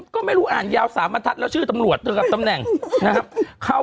ก็ไม่รู้อ่านยาว๓บรรทัศน์แล้วชื่อตำรวจเจอกับตำแหน่งนะครับ